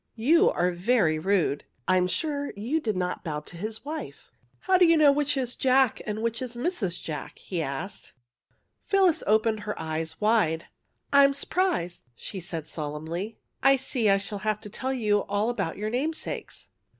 '' You are very rude. I'm sure you did not bow to his wife." ^* How do you know which is Jack and which is Mrs. Jack? '' he asked. Phyllis opened her eyes wide. ^^ I'm s 'prised," she said, solemnly. ^^ I see I shall have to tell you all about your name sakes.